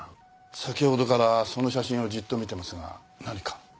先ほどからその写真をじっと見てますが何か？